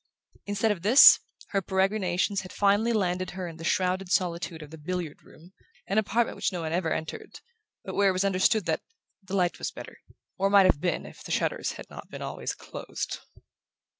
Instead of this, her peregrinations had finally landed her in the shrouded solitude of the billiard room, an apartment which no one ever entered, but where it was understood that "the light was better," or might have been if the shutters had not been always closed.